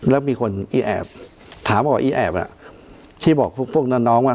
แล้วมีคนอีแอบถามว่าอีแอบล่ะที่บอกพวกน้องว่า